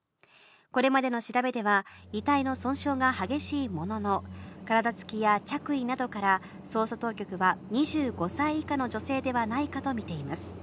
これまでの調べでは、遺体の損傷が激しいものの、体つきや着衣などから捜査当局は２５歳以下の女性ではないかと見ています。